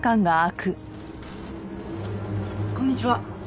こんにちは。